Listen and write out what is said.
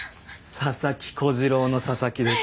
佐々木小次郎の佐々木です。